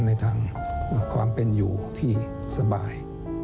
ในทางความเป็นอยู่ที่สบาย